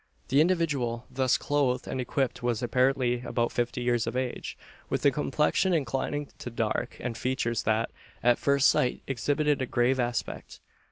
The individual thus clothed and equipped was apparently about fifty years of age, with a complexion inclining to dark, and features that, at first sight, exhibited a grave aspect.